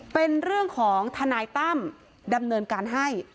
เป็นเรื่องของทนายตั้มดำเนินการให้